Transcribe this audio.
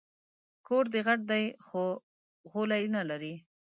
کور دي غټ دی خو غولی نه لري